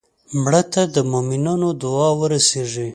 مړه ته د مومنانو دعا ورسېږي